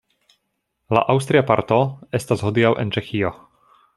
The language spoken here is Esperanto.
La aŭstria parto estas hodiaŭ en Ĉeĥio.